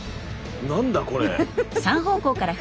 何だこれ！？